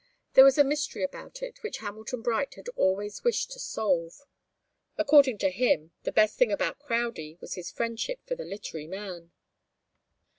There was a mystery about it which Hamilton Bright had always wished to solve. According to him, the best thing about Crowdie was his friendship for the literary man.